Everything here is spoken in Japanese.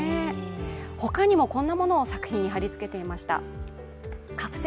他にもこんなものを作品に貼り付けていました。